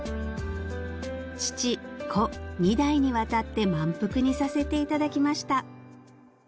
「父子２代にわたって満腹にさせていただきました！」